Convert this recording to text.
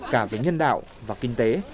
cả với nhân đạo và kinh tế